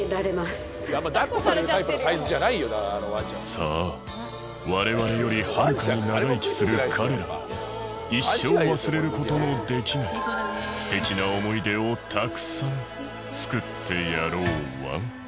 さあ我々よりはるかに長生きする彼らに一生忘れる事のできない素敵な思い出をたくさん作ってやろうワン。